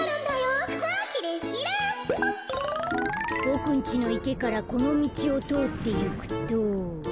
ボクんちのいけからこのみちをとおっていくと。